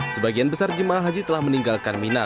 sebagian besar jemaah haji telah meninggalkan mina